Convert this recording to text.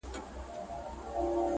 نه دي زور نه دي دولت سي خلاصولای-